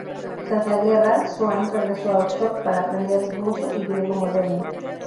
Tras la guerra, Swann regresó a Oxford para aprender ruso y griego moderno.